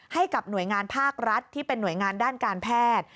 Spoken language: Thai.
ให้กับหน่วยงานภาครัฐที่เป็นหน่วยงานด้านการแพทย์